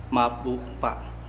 maap bu pak